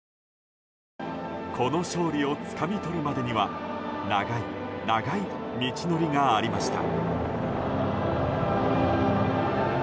この勝利をつかみ取るまでには長い長い道のりがありました。